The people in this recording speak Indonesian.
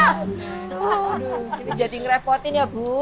gak usah ngeri jadi ngerepotin ya bu